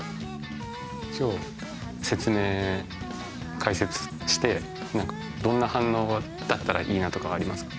今日説明解説してどんな反応だったらいいなとかありますか？